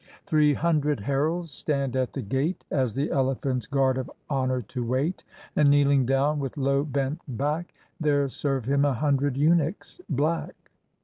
Three hundred heralds stand at the gate, As the elephant's guard of honor to wait; And kneehng down with low bent back There serve him a hundred eunuchs black.